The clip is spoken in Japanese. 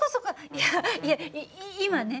いやいや今ね